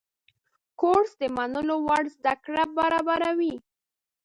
کورس د منلو وړ زده کړه برابروي.